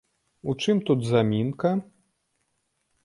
У чым тут замінка?